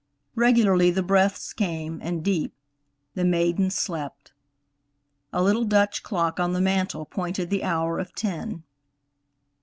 Regularly the breaths came, and deep; the maiden slept. A little Dutch clock on the mantel pointed the hour of ten.